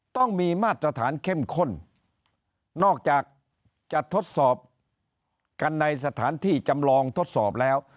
ต้องมีมาตรฐานเข้มข้นนอกจากจะทดสอบกันในสถานที่จำลองทดสอบแล้ว